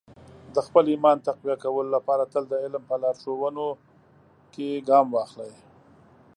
د خپل ایمان تقویه کولو لپاره تل د علم په لارښوونو کې ګام واخلئ.